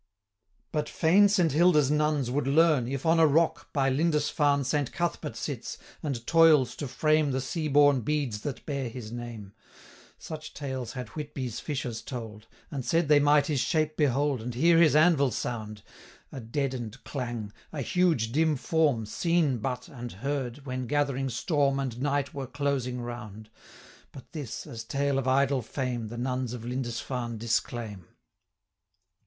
But fain Saint Hilda's nuns would learn If, on a rock, by Lindisfarne, Saint Cuthbert sits, and toils to frame 300 The sea born beads that bear his name: Such tales had Whitby's fishers told, And said they might his shape behold, And hear his anvil sound; A deaden'd clang, a huge dim form, 305 Seen but, and heard, when gathering storm And night were closing round. But this, as tale of idle fame, The nuns of Lindisfarne disclaim.